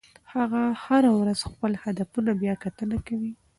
هغه هره ورځ خپل هدفونه بیاکتنه کوي.